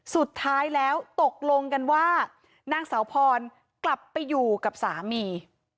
สุดท้ายแล้วตกลงกันว่านางสาวพรกลับไปอยู่กับสามี